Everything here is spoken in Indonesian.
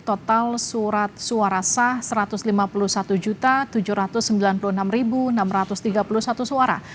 total surat suara sah satu ratus lima puluh satu tujuh ratus sembilan puluh enam enam ratus tiga puluh satu suara